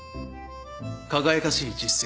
輝かしい実績。